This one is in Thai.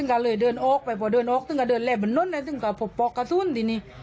ก็เลยป๔๑ไปพอเดินออกเล่นไปนู้นนั่นก็ปกรรสกระสุนที่นี่